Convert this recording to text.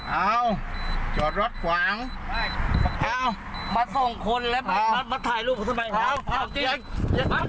เอาจอดรถขวางเอามาส่งคนแล้วมาถ่ายรูปกันทำไมครับ